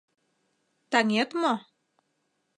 Таҥет мо?